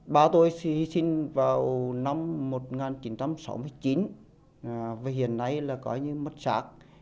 ba tôi hy sinh vào năm một nghìn chín trăm sáu mươi chín và hiện nay là mất sạc